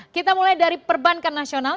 kita mulai dari perbankan nasional